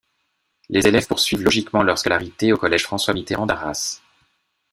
Les élèves poursuivent logiquement leur scolarité au collège François-Mitterrand d'Arras.